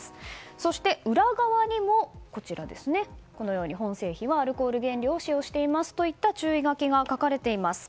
そして裏側にも本製品はアルコール原料を使用していますといった注意書きが書かれています。